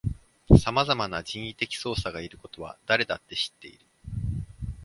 さまざまな人為的操作がいることは誰だって知っている